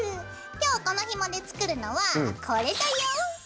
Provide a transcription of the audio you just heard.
今日このひもで作るのはこれだよ！